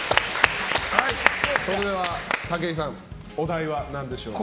武井さん、お題は何でしょうか。